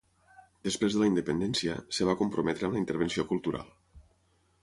Després de la independència, es va comprometre amb la intervenció cultural.